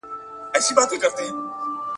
چي د زاغ په حواله سول د سروګلو درمندونه `